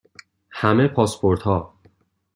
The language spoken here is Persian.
همه پاسپورت ها